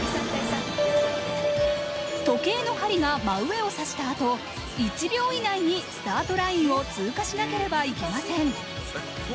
時計の針が真上を指したあと、１秒以内にスタートラインを通過しなければいけません。